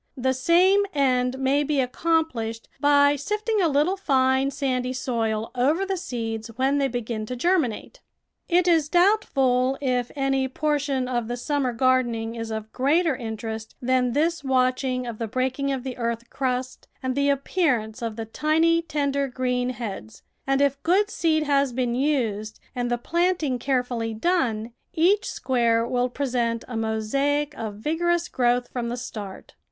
The same end may be accomplished by sifting a little fine sandy soil over the seeds when they begin to germinate. It is doubtful if any portion of the summer gardening is of greater interest than this watch ing of the breaking of the earth crust and the ap pearance of the tiny, tender green heads, and if good seed has been used and the planting care fully done, each square will present a mosaic of vigorous growth from the start.